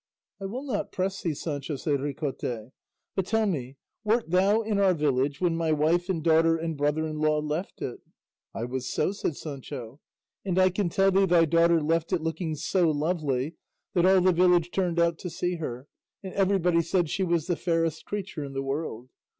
"I will not press thee, Sancho," said Ricote; "but tell me, wert thou in our village when my wife and daughter and brother in law left it?" "I was so," said Sancho; "and I can tell thee thy daughter left it looking so lovely that all the village turned out to see her, and everybody said she was the fairest creature in the world.